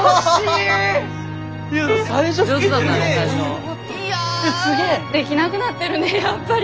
いやできなくなってるねやっぱり。